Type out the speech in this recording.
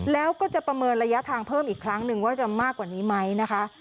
แล้วก็จะประเมินระยะทางเพิ่มอีกครั้งหนึ่งว่าจะมากกว่านี้ไหมนะคะ